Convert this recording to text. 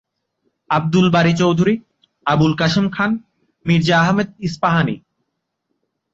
Abdul Bari Chowdhury, Abul Kashem Khan, Mirza Ahmed Ispahani.